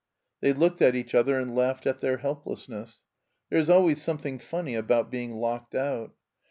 They looked at each other and laughed at their helplessness. There is always something ftmny about being locked out.